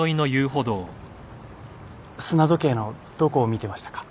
砂時計のどこを見てましたか？